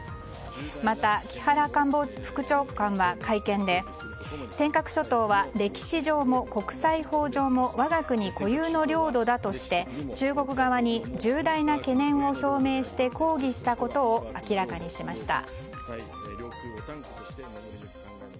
また木原官房副長官は会見で尖閣諸島は歴史上も国際法上も我が国固有の領土だとして中国側に重大な懸念を表明して抗議したことを明らかにしました。